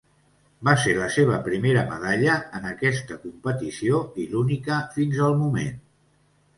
Va ser la seva primera medalla en aquesta competició i l'única fins al moment.